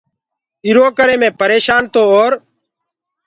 ايٚرو ڪري مي پريشآن تو اور